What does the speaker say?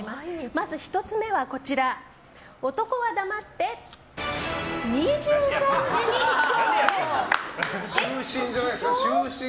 まず１つ目は男は黙って２３時に起床。